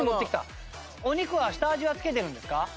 お肉は下味はつけてるんですか？